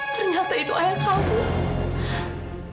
ternyata itu ayah kamu